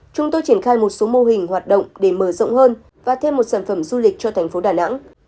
chúng tôi triển khai một số mô hình hoạt động để mở rộng hơn và thêm một sản phẩm du lịch cho thành phố đà nẵng